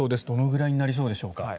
どのくらいになりそうですか？